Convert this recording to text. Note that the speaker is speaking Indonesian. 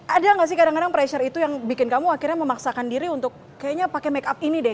ada gak sih kadang kadang pressure itu yang bikin kamu akhirnya memaksakan diri untuk kayaknya pakai make up ini deh